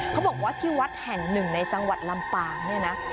เขาบอกว่าที่วัดแห่งหนึ่งในจังหวัดลำปางเนี่ยนะ